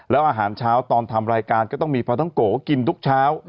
แล้วอาหารเช้าตอนทำรายการก็ต้องมีปลาท้องโกกินทุกเช้า